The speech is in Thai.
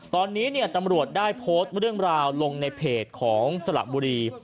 ตอนนี้ตำรวจได้โพสต์เรื่องราวลงในเพจของสละบุรี